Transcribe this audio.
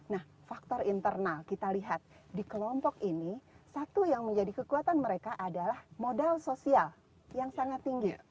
nah faktor internal kita lihat di kelompok ini satu yang menjadi kekuatan mereka adalah modal sosial yang sangat tinggi